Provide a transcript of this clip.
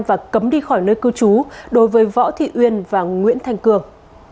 và cấm đi khỏi nơi cư trú đối với võ thị uyên và nguyễn thanh cường